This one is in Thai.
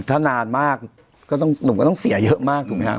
ถ้านานมากก็ต้องหนุ่มก็ต้องเสียเยอะมากถูกไหมครับ